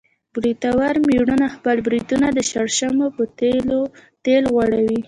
برېتور مېړونه خپل برېتونه د شړشمو په تېل غوړوي.